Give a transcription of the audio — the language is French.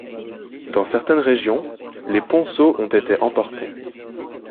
Dans certaines régions, les ponceaux ont été emportés.